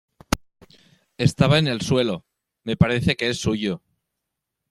estaba en el suelo. me parece que es suyo .